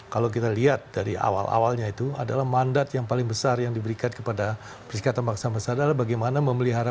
kalau kita lihat dari awal awalnya itu adalah mandat yang paling besar yang diberikan kepada perserikatan bangsa besar adalah bagaimana memelihara